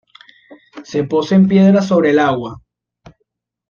Se posa en piedras sobre el agua.